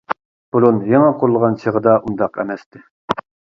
بۇرۇن يېڭى قۇرۇلغان چېغىدا ئۇنداق ئەمەستى.